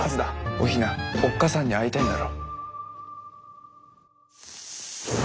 お雛おっ母さんに会いたいんだろ？